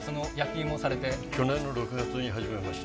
去年の６月に始めました。